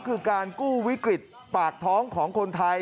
คือการกู้วิกฤตปากท้องของคนไทย